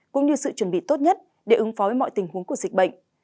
cũng như sự chuẩn bị tốt nhất để ứng phó mọi tình huống của dịch bệnh